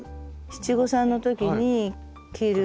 七五三の時に着る。